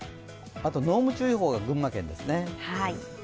あと濃霧注意報が群馬県ですね。